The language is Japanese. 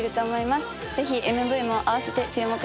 ぜひＭＶもあわせて注目してください。